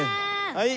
はい。